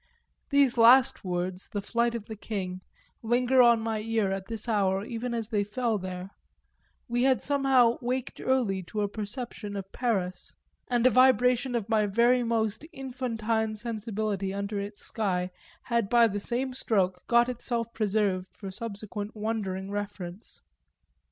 These last words, the flight of the king, linger on my ear at this hour even as they fell there; we had somehow waked early to a perception of Paris, and a vibration of my very most infantine sensibility under its sky had by the same stroke got itself preserved for subsequent wondering reference.